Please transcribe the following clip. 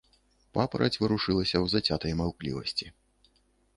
Папараць варушылася ў зацятай маўклівасці.